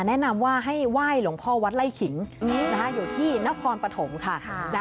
แนะนำว่าให้ไหว้หลวงพ่อวัดไล่ขิงอยู่ที่นครปฐมค่ะ